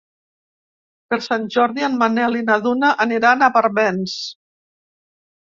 Per Sant Jordi en Manel i na Duna aniran a Barbens.